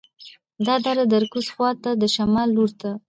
دا دره د کوز خوات د شمال لور ته